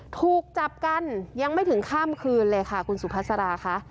ถูกจับกันยังไม่ถึงข้ามคืนเลยค่ะคุณสุภาษาค่ะ